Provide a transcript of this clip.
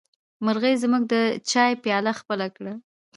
مرغۍ زموږ د چايه پياله خپله کړه.